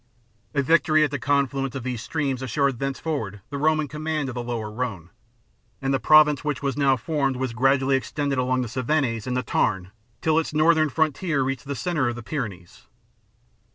A victory at the confluence of these streams assured thenceforward the Roman command of the lower Rhone ; and the province which was now formed was gradually extended along the Cevennes and the Tarn till its northern frontier reached the centre of the Pyrenees.